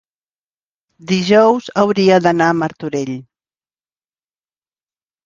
dijous hauria d'anar a Martorell.